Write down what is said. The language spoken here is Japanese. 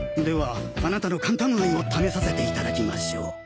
ではあなたのカンタム愛を試させていただきましょう。